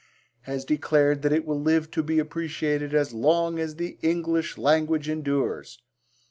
has declared that it will live to be appreciated 'as long as the English language endures.'